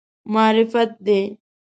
معرفت دی.